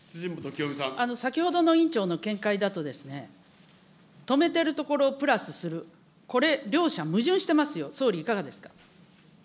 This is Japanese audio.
先ほどの委員長の見解だと、止めてるところプラスする、これ両者、矛盾してますよ、総理、いかがですか。